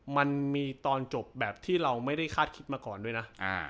มันมีตอนจบแบบที่เราไม่ได้คาดคิดมาก่อนด้วยนะ